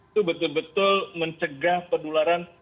itu betul betul mencegah penularan